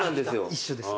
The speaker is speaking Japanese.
一緒です。